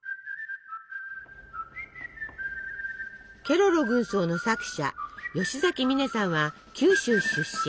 ケロロ軍曹の作者吉崎観音さんは九州出身。